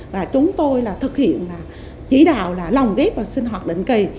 và chúng tôi là thực hiện là chỉ đạo là lồng ghép vào sinh hoạt định kỳ